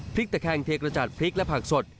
ตะแคงเทกระจัดพริกและผักสด